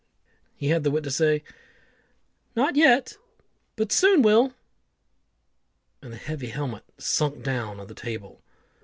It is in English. He had the wit to say, "Not yet, but soon will," and the heavy helmet sunk down on the table.